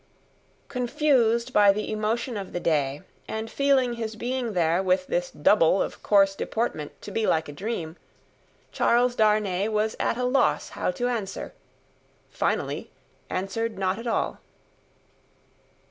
Confused by the emotion of the day, and feeling his being there with this Double of coarse deportment, to be like a dream, Charles Darnay was at a loss how to answer; finally, answered not at all.